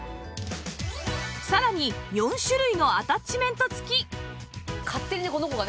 さらに４種類のアタッチメント付き